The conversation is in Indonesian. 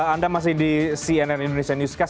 anda masih di cnn indonesia newscast